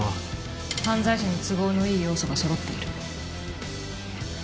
犯罪者に都合のいい要素がそろっている。